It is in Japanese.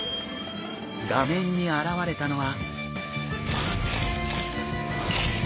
画面に現れたのは。